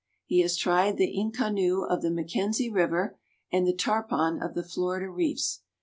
He has tried the inconnu of the Mackenzie River and the tarpon of the Florida reefs.